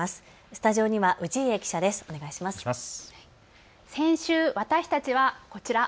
スタジオには氏家記者です。